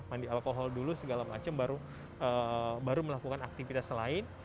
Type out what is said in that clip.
mandi alkohol dulu segala macam baru melakukan aktivitas lain